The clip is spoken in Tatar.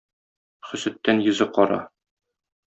Хөсеттән йөзе кара.